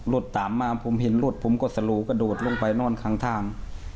รถตามมาผมเห็นรถผมก็สโลกระโดดลงไปนอนข้างทาง